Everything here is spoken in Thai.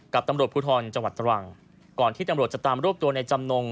กับตำรวจภูทรจังหวัดตรังก่อนที่ตำรวจจะตามรวบตัวในจำนง